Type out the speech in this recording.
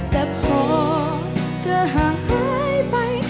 แต่พอเธอห่างหายไป